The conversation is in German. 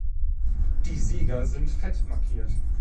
Die Sieger sind fett markiert.